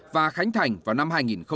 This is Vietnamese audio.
và khánh thành vào năm hai nghìn hai mươi